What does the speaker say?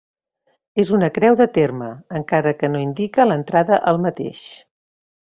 És una creu de terme, encara que no indica l'entrada al mateix.